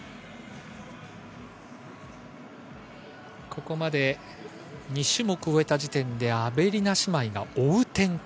ここまで２種目を終えた時点でアベリナ姉妹が追う展開。